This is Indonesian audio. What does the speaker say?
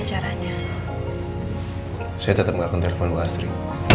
saya tetap gak akan telepon bu astri